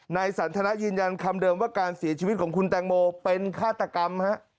สันทนายืนยันคำเดิมว่าการเสียชีวิตของคุณแตงโมเป็นฆาตกรรมฮะ